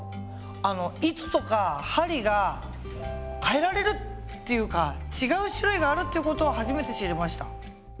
あの糸とか針が替えられるっていうか違う種類があるっていうことを初めて知りました。